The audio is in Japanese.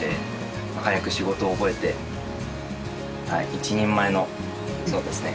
一人前のそうですね